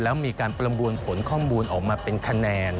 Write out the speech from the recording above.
แล้วมีการประมวลผลข้อมูลออกมาเป็นคะแนน